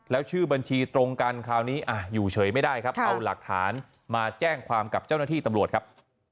แล้วชื่อบัญชีตรงกันคราวนี้อยู่เฉยไม่ได้ครับเอาหลักฐานมาแจ้งความกับเจ้าหน้าที่ตำรวจครับ